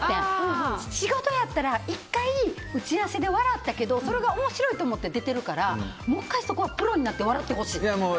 仕事やったら１回、打ち合わせで笑ったけどそれが面白いと思って出てるからもう１回、そこはプロになって笑ってほしい。